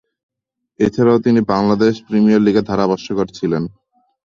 এছাড়াও তিনি বাংলাদেশ প্রিমিয়ার লীগে ধারাভাষ্যকার ছিলেন।